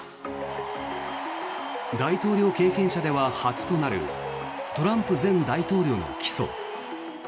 大統領経験者では初となるトランプ前大統領の起訴。